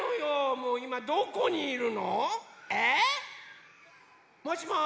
もういまどこにいるの？え？もしもし。